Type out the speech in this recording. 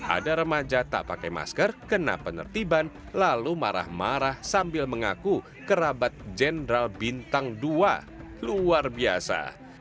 ada remaja tak pakai masker kena penertiban lalu marah marah sambil mengaku kerabat jenderal bintang dua luar biasa